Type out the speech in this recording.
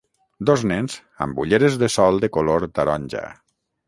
Dos nens amb ulleres de sol de color taronja.